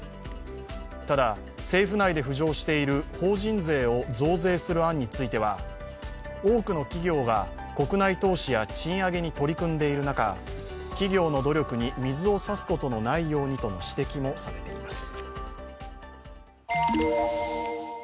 ただ、政府内で浮上している法人税を増税する案については多くの企業が国内投資や賃上げに取り組んでいる中、企業の努力に水をさすことのないようにとの指摘もされています。